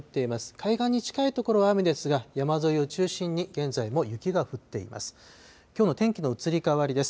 海岸に近い所は雨ですが、山沿いを中心に現在も雪が降っています。